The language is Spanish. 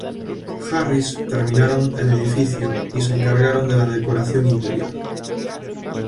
Harris terminaron el edificio y se encargaron de la decoración interior.